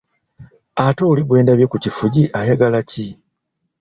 Ate oli gwe ndabye ku kifugi ayagala ki?